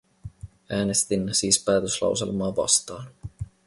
Äänestin siis päätöslauselmaa vastaan.